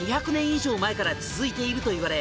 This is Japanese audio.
以上前から続いているといわれ」